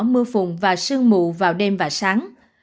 mưa phùng và sương mù vào đêm và sáng